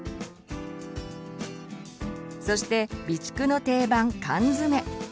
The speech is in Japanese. そして備蓄の定番缶詰。